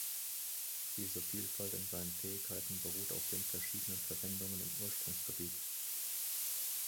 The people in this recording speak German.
Diese Vielfalt in seinen Fähigkeiten beruht auf den verschiedenen Verwendungen im Ursprungsgebiet.